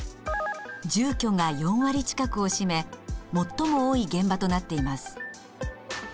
住居が４割近くを占め最も多い現場となっています。